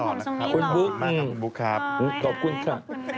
ขอบคุณมากครับคุณบุ๊คครับขอบคุณค่ะขอบคุณนะ